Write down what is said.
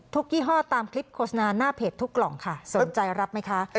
ยี่ห้อตามคลิปโฆษณาหน้าเพจทุกกล่องค่ะสนใจรับไหมคะ